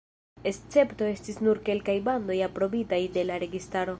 Esceptoj estis nur kelkaj bandoj aprobitaj de la registaro.